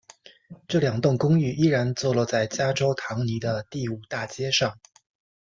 这两栋公寓依然坐落在加州唐尼的第五大街上。